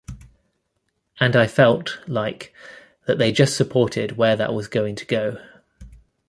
And I felt, like, that they just supported where that was going to go.